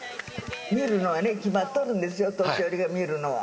見るのはね、きまっとるんですよ、時折見るのは。